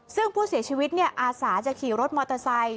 ซึ่งผู้เสียชีวิตอาสาจะขี่รถมอเตอร์ไซค